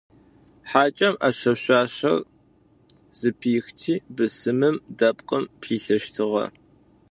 Хьакӏэм ӏэшэ-шъуашэр къызпихти, бысымым дэпкъым пилъэщтыгъэ.